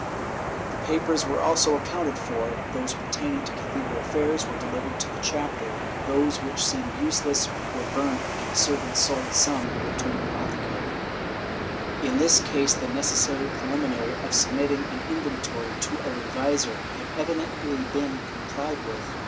The papers were also accounted for — those pertaining to cathedral affairs were delivered to the chapter, those which seemed useless were burnt and the servants sold some to an apothecary/ In this case the necessary preliminary of submitting an inventory to a revisor had evidently been complied with.